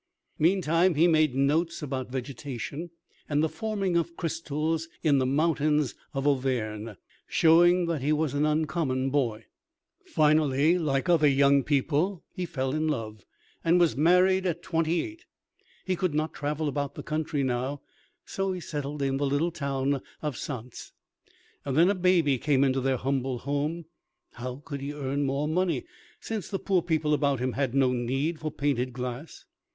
Meantime he made notes about vegetation, and the forming of crystals in the mountains of Auvergne, showing that he was an uncommon boy. [Illustration: BERNARD PALISSY.] Finally, like other young people, he fell in love, and was married at twenty eight. He could not travel about the country now, so he settled in the little town of Saintes. Then a baby came into their humble home. How could he earn more money, since the poor people about him had no need for painted glass?